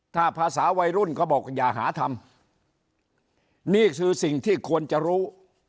ถ้าภาษาวัยรุ่นก็บอกอย่าหาทำนี่คือสิ่งที่ควรจะรู้